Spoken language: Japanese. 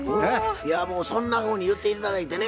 もうそんなふうに言って頂いてね